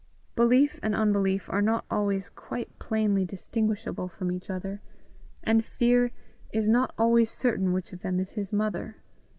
Belief and unbelief are not always quite plainly distinguishable from each other, and Fear is not always certain which of them is his mother.